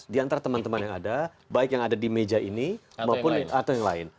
di antara teman teman yang ada baik yang ada di meja ini maupun atau yang lain